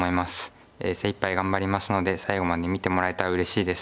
精いっぱい頑張りますので最後まで見てもらえたらうれしいです。